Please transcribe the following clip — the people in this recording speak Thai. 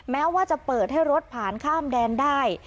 แม้ว่าจะเปิดให้รถผ่านข้ามแดนได้